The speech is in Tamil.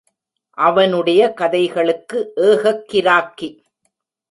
அவனுடைய கதைகளுக்கு ஏகக் கிராக்கி.